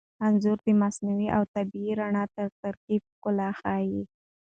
انځور د مصنوعي او طبیعي رڼا تر ترکیب ښکلا ښيي.